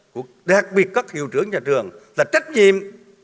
của đặc biệt các hiệu trưởng nhà trường là trách nhiệm